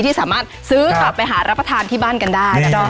ที่สามารถซื้อกลับไปหารับประทานที่บ้านกันได้นะจ๊ะ